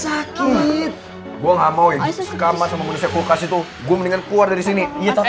aduh lagi sakit gua mau itu gue mendingan keluar dari sini